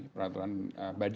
peraturan kepala bnpb